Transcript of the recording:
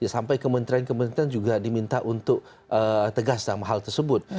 sampai kementerian kementerian juga diminta untuk tegas dalam hal tersebut